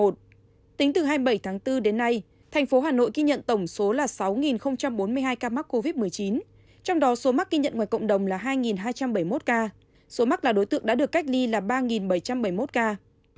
tính từ hai mươi bảy tháng bốn đến nay thành phố hà nội ghi nhận tổng số là sáu bốn mươi hai ca mắc covid một mươi chín trong đó số mắc ghi nhận ngoài cộng đồng là hai hai trăm bảy mươi một ca số mắc là đối tượng đã được cách ly là ba bảy trăm bảy mươi một ca